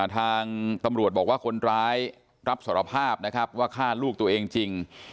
ทางตำรวจบอกว่าคนร้ายรับสารภาพนะครับว่าฆ่าลูกตัวเองจริง